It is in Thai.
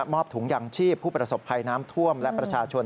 อบถุงยางชีพผู้ประสบภัยน้ำท่วมและประชาชน